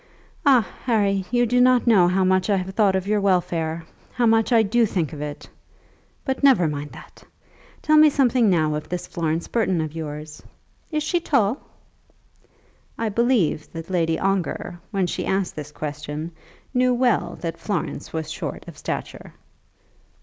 Ah, Harry; you do not know how much I have thought of your welfare; how much I do think of it. But never mind that. Tell me something now of this Florence Burton of yours. Is she tall?" I believe that Lady Ongar, when she asked this question, knew well that Florence was short of stature.